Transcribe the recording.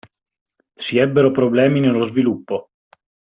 Si ebbero problemi nello sviluppo.